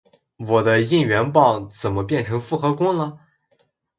我的应援棒怎么变成复合弓了？